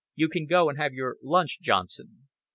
"You can go and have your lunch, Johnson."